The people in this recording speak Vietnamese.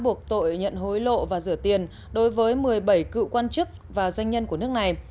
buộc tội nhận hối lộ và rửa tiền đối với một mươi bảy cựu quan chức và doanh nhân của nước này